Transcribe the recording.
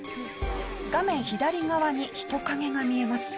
画面左側に人影が見えます。